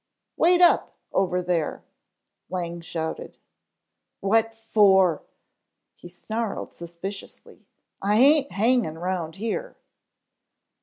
"Wait up, over there," Lang shouted. "What for?" he snarled suspiciously. "I aint hanging round here."